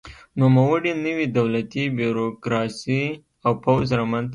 نوموړي نوې دولتي بیروکراسي او پوځ رامنځته کړل.